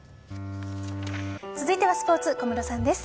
続いてはスポーツ小室さんです。